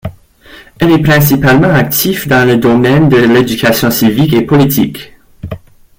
Elle est principalement actif dans le domaine de l'éducation civique et politique.